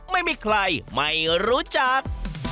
ไม่มีใครไม่รู้จัก